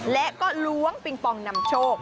และก็ล้วงปิงปองนำโชค